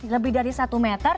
lebih dari satu meter